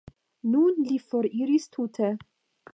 Nun li foriris tute.